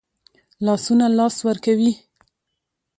لاسونه لاس ورکوي